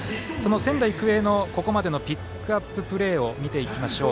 仙台育英のここまでのピックアッププレーを見ていきましょう。